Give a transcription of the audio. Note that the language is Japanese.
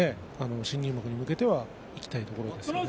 新入幕に向けてはいきたいところですね。